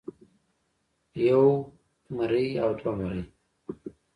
يوه مرۍ او دوه مرۍ